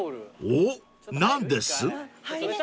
［おっ何です？］